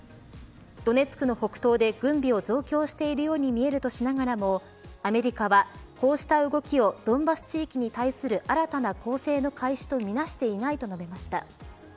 ドネツクの北東で、軍備を増強しているように見えるとしながらもアメリカは、こうした動きをドンバス地域に対する新たな攻勢の開始とみなしていないと述べました。